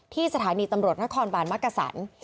สถานีตำรวจนครบาลมักกษัน